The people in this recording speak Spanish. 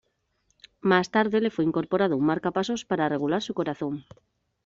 Más tarde le fue incorporado un marcapasos para regular su corazón.